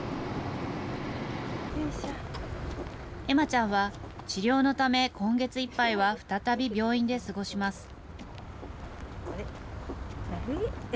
恵麻ちゃんは、治療のため、今月いっぱいは再び病院で過ごします。